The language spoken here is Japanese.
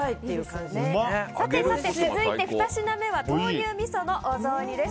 さて、続いて２品目は豆乳味噌のお雑煮です。